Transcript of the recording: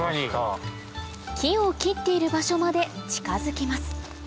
木を切っている場所まで近づきます